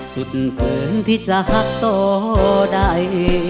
สุดฝืนที่จะหักต่อได้